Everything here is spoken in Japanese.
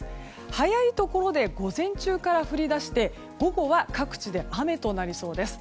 早いところで午前中から降り出して午後は各地で雨となりそうです。